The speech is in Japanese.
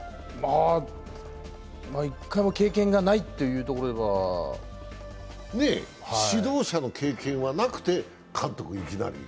１回も経験がないというところでは指導者の経験はなくて監督にいきなり。